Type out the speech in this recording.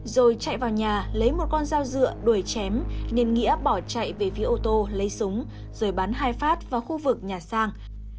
rồi chạy vào nhà lấy một con dao dựa đuổi chém nên nghĩa bỏ chạy về phía ô tô lấy súng rồi bắn hai phát vào khu vực nhà sang